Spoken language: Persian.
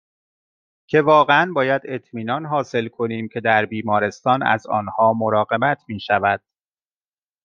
که واقعاً باید اطمینان حاصل کنیم که در بیمارستان از آنها مراقبت میشود